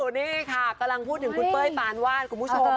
นี่ค่ะกำลังพูดถึงคุณเป้ยปานวาดคุณผู้ชม